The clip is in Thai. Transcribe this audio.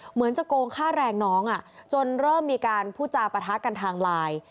เหมือนจะโกงค่าแรงน้องจนเริ่มมีการพูดจาปะทะกันทางไลน์